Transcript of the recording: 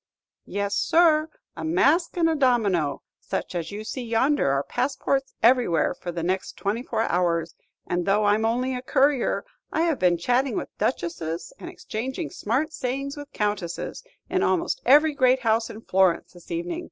"Yes, sir; a mask and a domino, such as you see yonder, are passports everywhere for the next twenty four hours; and though I 'm only a courier, I have been chatting with duchesses, and exchanging smart sayings with countesses, in almost every great house in Florence this evening.